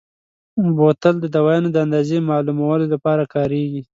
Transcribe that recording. بوتل د دوایانو د اندازې معلومولو لپاره کارېږي.